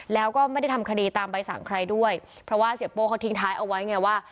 แล้วก็ไม่ได้ทำคดีตามใบสั่งใครด้วยเพราะว่าเสียโป้เขาทิ้งท้ายเอาไว้ไงว่า